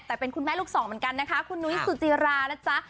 แต่เป็นคุณแม่ลูกสองเหมือนกันนะคะคุณนุ้ยสุจิรานะจ๊ะ